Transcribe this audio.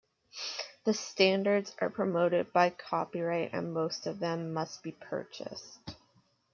The standards are protected by copyright and most of them must be purchased.